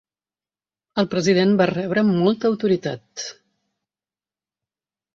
El president va rebre molta autoritat.